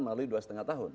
melalui dua lima tahun